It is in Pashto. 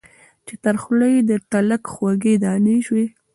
چي تر خوله یې د تلک خوږې دانې سوې